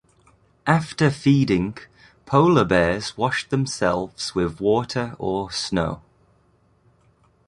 After feeding, polar bears wash themselves with water or snow.